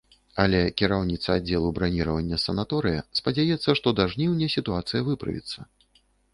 Але кіраўніца аддзелу браніравання санаторыя спадзяецца, што да жніўня сітуацыя выправіцца.